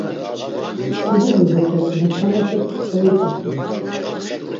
Didi bozopes mutxanepe koyuç̌opu.